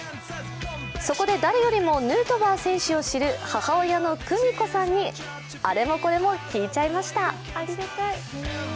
そこで、誰よりもヌートバー選手を知る母親の久美子さんにあれもこれも聞いちゃいました。